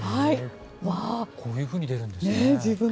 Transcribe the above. こういうふうに出るんですね。